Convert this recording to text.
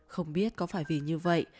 không biết có phải vì như vậy